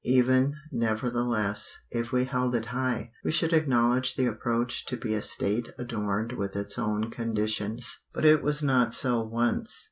Even, nevertheless, if we held it high, we should acknowledge the approach to be a state adorned with its own conditions. But it was not so once.